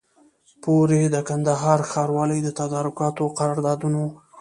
پوري د کندهار ښاروالۍ د تدارکاتو او قراردادونو